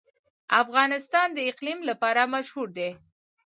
افغانستان د اقلیم لپاره مشهور دی.